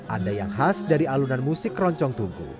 ada yang khas dari alunan musik keroncong tungku